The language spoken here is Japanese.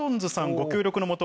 ご協力のもと